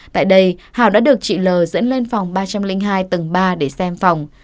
tại đây hào đã được chị lờ dẫn lên phòng ba trăm linh hai tầng ba để xem phòng